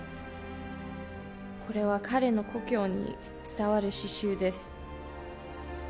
これは彼の故郷に伝わる刺繍です